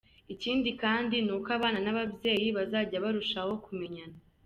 Ikindi kandi nuko abana n’ababyeyi bazajya barushaho kumenyana.